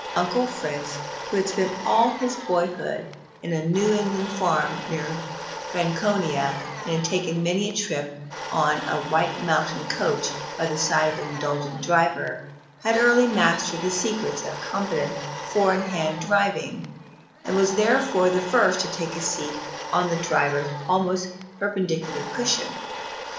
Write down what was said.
Uncle Fritz, who had spent all his boyhood on a New England farm near Franconia, and taken many a trip on a White Mountain coach by the side of an indulgent driver, had early mastered the secret of competent four in hand driving, and was therefore first to take his seat on the driver's almost perpendicular cushion.